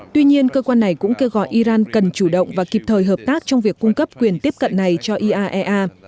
tuy nhiên cơ quan này cũng kêu gọi iran cần chủ động và kịp thời hợp tác trong việc cung cấp quyền tiếp cận này cho iaea